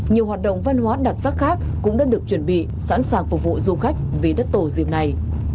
nhiều hoạt động văn hóa đặc sắc khác cũng đã được chuẩn bị sẵn sàng phục vụ du khách vì đất tổ dịp này